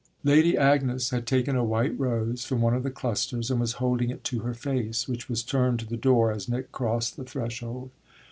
Lady Agnes had taken a white rose from one of the clusters and was holding it to her face, which was turned to the door as Nick crossed the threshold.